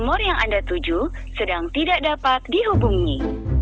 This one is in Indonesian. nomor yang anda tuju sedang tidak dapat dihubungi